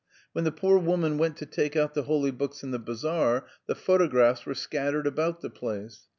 When the poor woman went to take out the holy books in the bazaar, the photographs were scattered about the place.